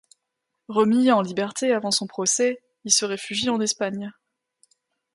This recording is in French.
Remis en liberté avant son procès, il se réfugie en Espagne.